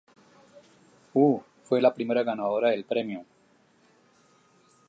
Hu fue la primera ganadora del premio.